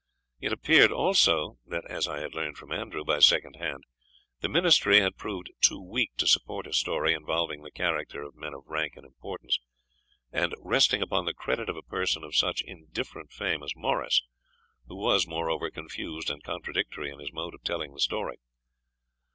It appeared also, that, as I had learned from Andrew, by second hand, the ministry had proved too weak to support a story involving the character of men of rank and importance, and resting upon the credit of a person of such indifferent fame as Morris, who was, moreover, confused and contradictory in his mode of telling the story.